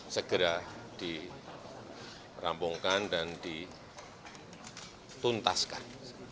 segera dirampungkan dan dituntaskan